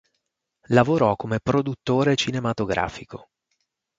Lavorò come produttore cinematografico.